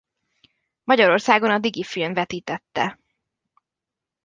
Magyarországon a Digi Film vetítette.